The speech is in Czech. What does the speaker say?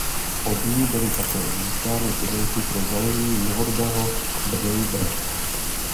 Od ní byly také získány pozemky pro založení novodobého Bnej Brak.